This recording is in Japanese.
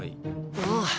ああ。